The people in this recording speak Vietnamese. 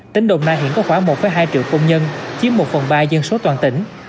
tỉnh đồng nai hiện có khoảng một hai triệu công nhân chiếm một phần ba dân số toàn tỉnh